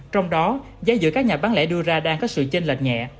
trong đó giá giữa các nhà bán lẻ đưa ra đang có sự chênh lệch nhẹ